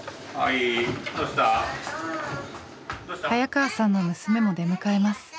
早川さんの娘も出迎えます。